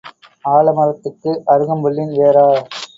ஆலமரத்துக்கு அறுகம்புல்லின் வேரா?